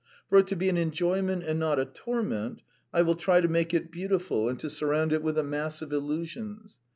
For it to be an enjoyment and not a torment, I will try to make it beautiful and to surround it with a mass of illusions.